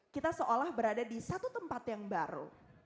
kita seolah berada di satu tempat yang baru